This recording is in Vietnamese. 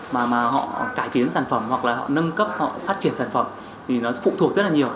mà họ cải tiến sản phẩm hoặc là họ nâng cấp họ phát triển sản phẩm thì nó phụ thuộc rất là nhiều